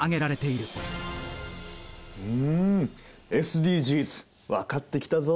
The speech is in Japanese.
んＳＤＧｓ分かってきたぞ！